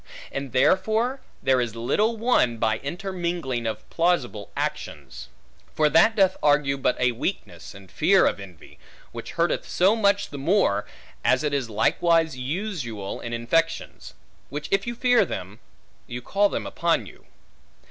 And therefore there is little won, by intermingling of plausible actions. For that doth argue but a weakness, and fear of envy, which hurteth so much the more, as it is likewise usual in infections; which if you fear them, you call them upon you.